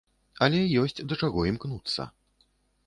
Але ёсць да чаго імкнуцца.